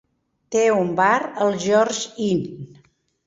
Té un bar, el George Inn.